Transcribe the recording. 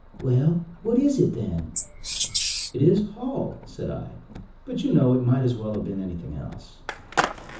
"Well, what is it, then?" "It is Hall," said I; "but you know it might as well have been anything else."